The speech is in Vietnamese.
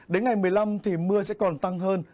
đến ngày một mươi năm thì mưa sẽ còn tăng hơn